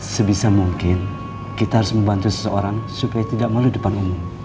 sebisa mungkin kita harus membantu seseorang supaya tidak melalui depan umum